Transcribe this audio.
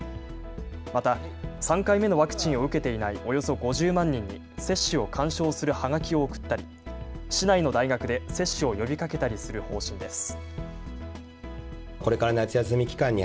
また３回目のワクチンを受けていないおよそ５０万人に接種を勧奨するはがきを送ったり市内の大学で接種を呼びかけたりする方針です。